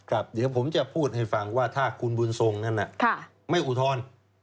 เดี๋ยวผมจะพูดให้ฟังว่าถ้าคุณบุญทรงนั้นไม่อุทธรณ์